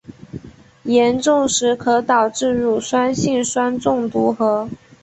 严重时可导致乳酸性酸中毒和。